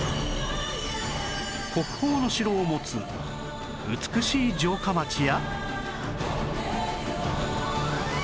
国宝の城を持つ美しい城下町や